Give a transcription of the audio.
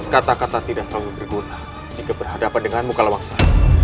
kata kata tidak selalu berguna jika berhadapan denganmu kalahansa